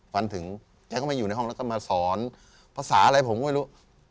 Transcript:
ฝันถึงแกก็ไม่อยู่ในห้องแล้วก็มาสอนภาษาอะไรผมก็ไม่รู้